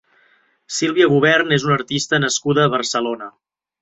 Silvia Gubern és una artista nascuda a Barcelona.